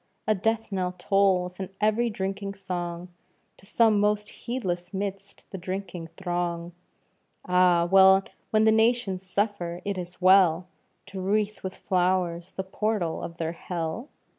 A death knell tolls in every drinking song, To some most heedless 'midst the drinking throng. Ah! when the nations suffer, is it well To wreath with flowers the portal of their hell?